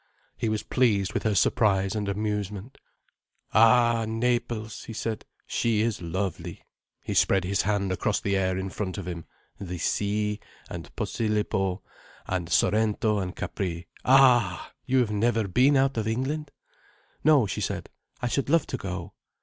He was pleased with her surprise and amusement. "Ah Naples!" he said. "She is lovely—" He spread his hand across the air in front of him—"The sea—and Posilippo—and Sorrento—and Capri—Ah h! You've never been out of England?" "No," she said. "I should love to go."